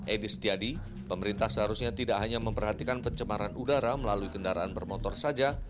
edi setiadi pemerintah seharusnya tidak hanya memperhatikan pencemaran udara melalui kendaraan bermotor saja